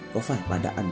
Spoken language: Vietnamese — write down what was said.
có phải bạn đã ăn